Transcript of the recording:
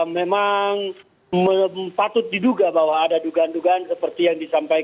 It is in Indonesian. memang patut diduga bahwa ada dugaan dugaan seperti yang disampaikan